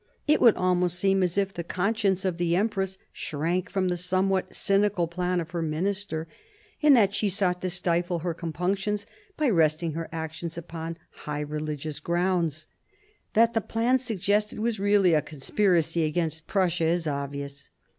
It would almost seem as if the conscience of the empress shrank from the somewhat cynical plan of her minister, and that she sought to stifle her compunctions by resting her action upon high religious grounds. That the plan suggested was really a conspiracy against Prussia is obvious.